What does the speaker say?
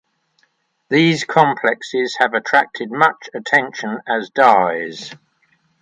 These complexes have attracted much attention as dyes.